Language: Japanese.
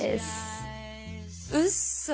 うっそ！